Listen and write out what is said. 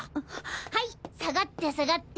はいさがってさがって。